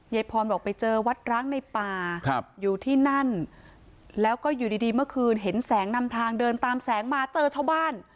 ยายพรบอกไปเจอวัดร้างในป่าอยู่ที่นั่นแล้วก็อยู่ดีดีเมื่อคืนเห็นแสงนำทางเดินตามแสงมาเจอชาวบ้าน